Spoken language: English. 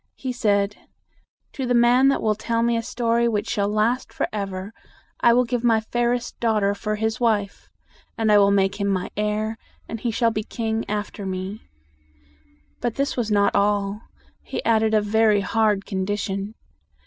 He said, "To the man that will tell me a story which shall last forever, I will give my fairest daugh ter for his wife; and I will make him my heir, and he shall be king after me." But this was not all. He added a very hard con di tion.